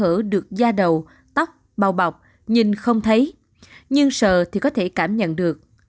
thứ ba là khe hở được da đầu tóc bào bọc nhìn không thấy nhưng sờ thì có thể cảm nhận được